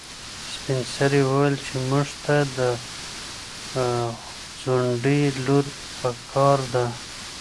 سپین سرې وویل چې موږ ته د ځونډي لور په کار ده.